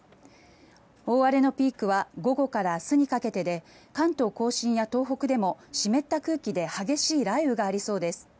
大荒れのピークは午後から明日にかけてで関東・甲信や東北でも湿った空気で激しい雷雨がありそうです。